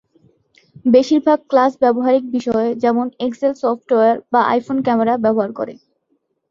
বেশিরভাগ ক্লাস ব্যবহারিক বিষয়ে যেমন এক্সেল সফ্টওয়্যার বা আইফোন ক্যামেরা ব্যবহার করে।